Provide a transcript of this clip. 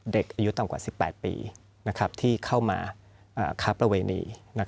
เด็กอายุต่ำกว่า๑๘ปีที่เข้ามาค้าประเวณี